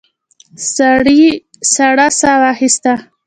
سړي سړه ساه واخیسته.